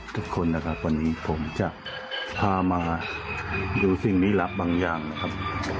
ทุกคนนะครับวันนี้ผมจะพามาดูสิ่งลี้ลับบางอย่างนะครับ